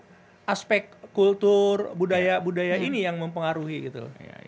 nah aspek kultur budaya budaya ini yang mempengaruhi gitu